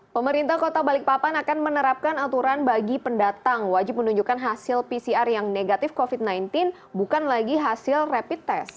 pemerintah kota balikpapan akan menerapkan aturan bagi pendatang wajib menunjukkan hasil pcr yang negatif covid sembilan belas bukan lagi hasil rapid test